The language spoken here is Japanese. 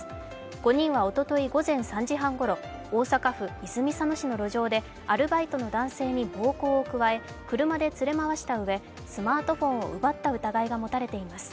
５人はおととい午前３時半ごろ、大阪府泉佐野市の路上でアルバイトの男性に暴行を加え車で連れ回したうえスマートフォンを奪った疑いが持たれています。